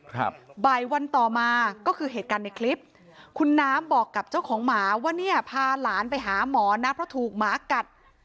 ครับบ่ายวันต่อมาก็คือเหตุการณ์ในคลิปคุณน้ำบอกกับเจ้าของหมาว่าเนี่ยพาหลานไปหาหมอนะเพราะถูกหมากัด